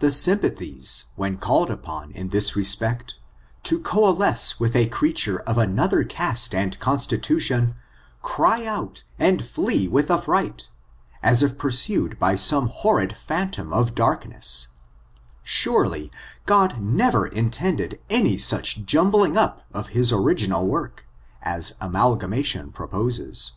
The sym« pathies when called upon, in this respect, to coalesce with a creature of another cast and constitution, cry out and flee with affright, as if pursued by some hor rid phantom of darkness; surely, God never intend ed any such jumbling up of his original work, as amalgamation proposes.